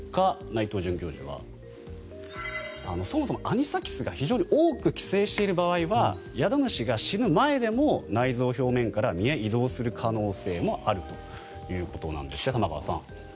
内藤准教授はそもそもアニサキスが非常に多く寄生している場合は宿主が死ぬ前でも内臓表面から身へ移動する場合もあるんですって、玉川さん。